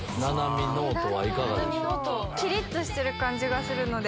キリっとしてる感じがするので。